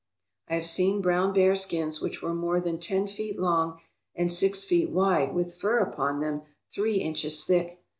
I have seen brown bear skins which were more than ten feet long and six feet wide with fur upon them three inches thick.